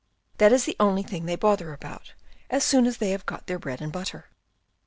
That is the only thing they bother about, as soon as they have got their bread and butter.